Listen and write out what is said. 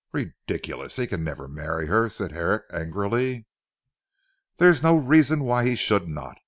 "Ridiculous! He can never marry her," said Herrick angrily. "There is no reason why he should not.